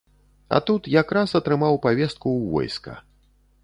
А тут якраз атрымаў павестку ў войска.